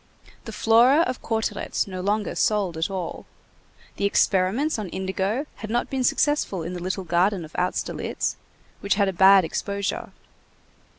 The Flora of Cauteretz no longer sold at all. The experiments on indigo had not been successful in the little garden of Austerlitz, which had a bad exposure.